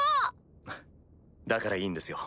フッだからいいんですよ